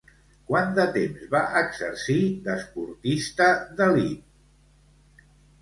Quant de temps va exercir d'esportista d'elit?